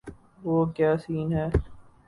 وہ کیا سین ہے۔